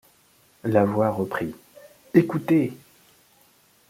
La voix reprit: — Écoutez!